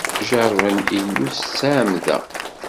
Jeṛṛben Illu s ttɛemda.